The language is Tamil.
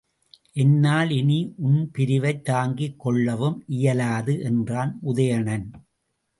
என்னால் இனி உன்பிரிவைத் தாங்கிக் கொள்ளவும் இயலாது என்றான் உதயணன.